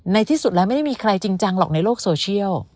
ที่สุดแล้วไม่ได้มีใครจริงจังหรอกในโลกโซเชียล